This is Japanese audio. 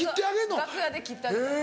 楽屋で切ってあげたりとか。